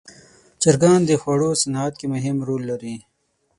چرګان د خوړو صنعت کې مهم رول لري.